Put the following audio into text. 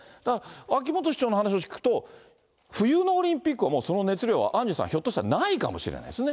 秋元市長の話を聞くと冬のオリンピックはもう熱量は、アンジュさん、ひょっとしたらないかもしれませんね。